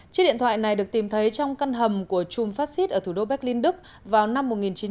chiếc điện thoại này được tìm thấy trong căn hầm của chùm fascist ở thủ đô berlin đức vào năm một nghìn chín trăm bốn mươi năm